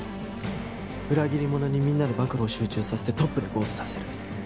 裏切り者にみんなで暴露を集中させてトップでゴールさせる。